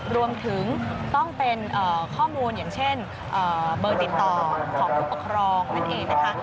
รวมถึงต้องเป็นข้อมูลอย่างเช่นเบอร์ติดต่อของผู้ปกครองนั่นเองนะคะ